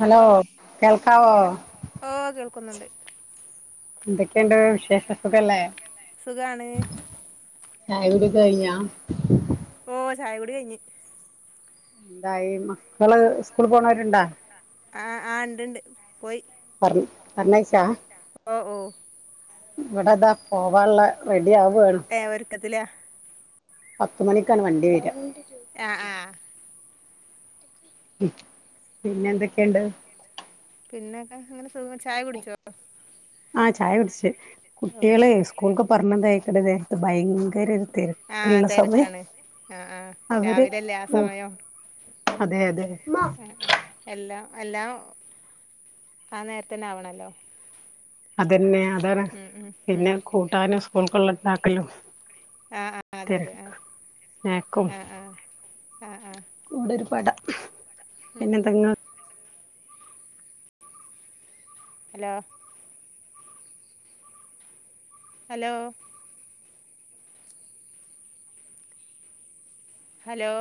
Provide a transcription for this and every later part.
hello കേൾക്കാവോ ക്കുന്നുണ്ട് എന്തൊക്കെയുണ്ട് വിശേഷസുഖല്ലേ സുഖാണ് ചായ കുടിക്ക കഴിഞ്ഞാ ഓ ചായ കുൂടി കഴിഞ്ഞു എന്തായി മക്കള് സ്കൂള് പോണവരുണ്ടാ ആ ആ ഉണ്ട്ണ്ട് പോയി പറഞ്ഞഹിച്ച ഓ ഓ ഇവിടെതാ പോവാനുള്ളറെ എ ആ വോണ് ത്തിലാ പത്തു മണിക്കാണ് വണ്ടി വര്അ ആ ആ പിന്നെ എന്തൊക്കെണ്ട് പിന്നൊക്കെ അങ്ങനെ ചായ കുടിച്ചോ ആ ചായ കുടിച്ചു കുട്ടികള് സ്കൂള്ക്ക് പറഞ്ഞ [unintelligible] എല നേരത്ത് ഭയങ്കര ആഹ തിരക്കുള്ള സമയം തെരക്കാണ് ആആ അവര് രാവിലെല്ലേ ആ പോ സമയം അതെ അതെ ആ എല്ലാം അല്ലാം ആ നേരത്തന്നെ ആവണല്ലോ അതന്നെ അതാണ് ഉം ഉം പിന്നെ ഉം കൂട്ടാനും സ്കൂൾക്കള്ള നാക്കലൂ ആ ആ അതെ അതെ ആ ആ ആ ആ കൂടെരു പാടം പിന്നെന്തെങ്ങ ഹലോ ഹലോ ഹലോ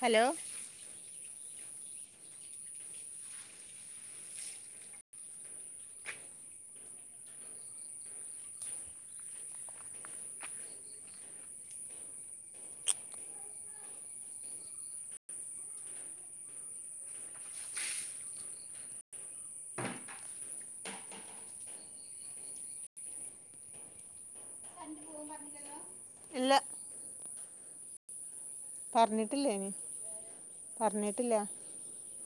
ഹലോ ഇല്ല പറഞ്ഞിട്ടില്ല ഇനി പറഞ്ഞിട്ടില്ല